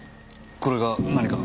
これが何か？